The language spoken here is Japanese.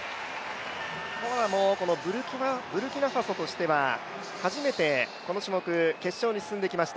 コアラもブルキナファソとしては初めてこの種目この種目決勝に進んできました。